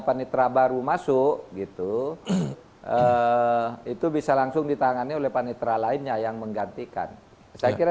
panitra baru masuk gitu itu bisa langsung ditangani oleh panitra lainnya yang menggantikan saya kira